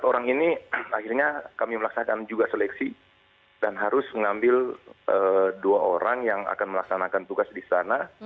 empat orang ini akhirnya kami melaksanakan juga seleksi dan harus mengambil dua orang yang akan melaksanakan tugas di sana